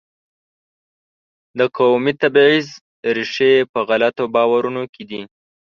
د قومي تبعیض ریښې په غلطو باورونو کې دي.